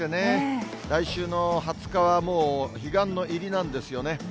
てね、来週の２０日はもう彼岸の入りなんですよね。